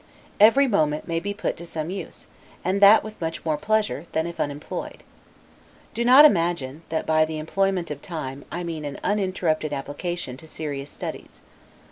Every moment may be put to some use, and that with much more pleasure, than if unemployed. Do not imagine, that by the employment of time, I mean an uninterrupted application to serious studies.